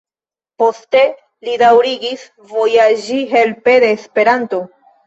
Poste li daŭrigis vojaĝi helpe de Esperanto.